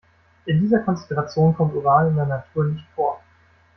In dieser Konzentration kommt Uran in der Natur nicht vor.